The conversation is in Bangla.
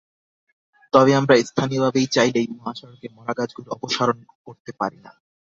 তবে আমরা স্থানীয়ভাবে চাইলেই মহাসড়কের মরা গাছগুলো অপসারণ করতে পারি না।